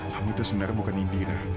kamu itu sebenarnya bukan indi